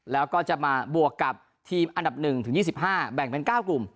แล้วก็จะมาบวกกับทีมอันดับ๑ถึง๒๕แบ่งเป็น๙กลุ่ม